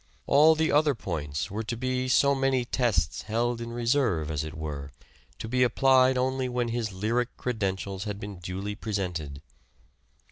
All the other points were to be so many tests held in reserve as it were, to be applied only when his lyric credentials had been duly presented.